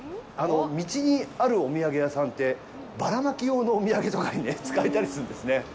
道にあるお土産屋さんってばらまき用のお土産とかに使えたりするんですね。